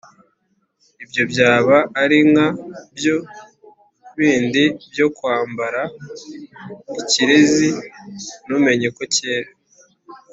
ibyo byaba ari nka bya bindi byo kwambara ikirezi ntumenye ko cyera.